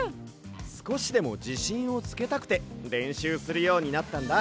すこしでもじしんをつけたくてれんしゅうするようになったんだ。